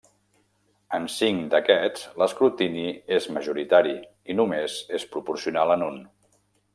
En cinc d'aquests, l'escrutini és majoritari i només és proporcional en un.